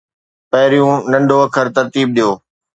پهريون ننڍو اکر ترتيب ڏيو